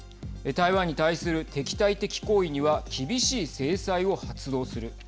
台湾に対する敵対的行為には厳しい制裁を発動する。